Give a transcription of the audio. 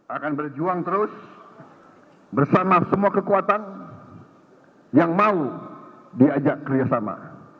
akan berjuang terus bersama semua kekuatan yang mau diajak kerjasama